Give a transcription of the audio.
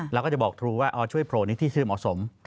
เราก็จะบอกครูว่าช่วยโผล่นิดที่ชื่อเหมาะสม